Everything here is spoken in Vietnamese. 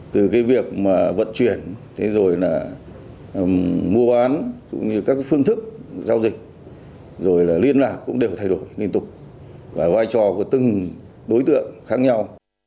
từ việc vận chuyển mua bán các phương thức giao dịch liên lạc cũng đều thay đổi liên tục và vai trò của từng đối tượng khác nhau